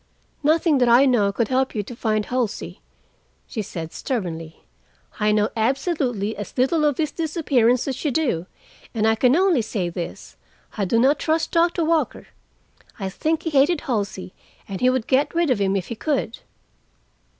"Nothing that I know could help you to find Halsey," she said stubbornly. "I know absolutely as little of his disappearance as you do, and I can only say this: I do not trust Doctor Walker. I think he hated Halsey, and he would get rid of him if he could."